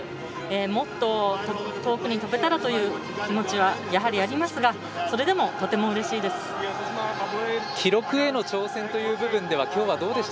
もっと遠くに跳べたらという気持ちはやはりありますがそれでも、とてもうれしいです。